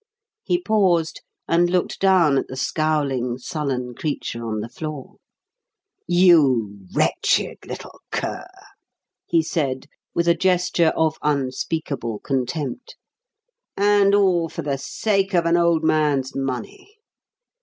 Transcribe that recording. He paused and looked down at the scowling, sullen creature on the floor. "You wretched little cur!" he said, with a gesture of unspeakable contempt. "And all for the sake of an old man's money!